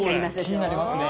気になりますね。